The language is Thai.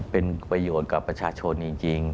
เป็นประโยชน์กับประชาชนจริง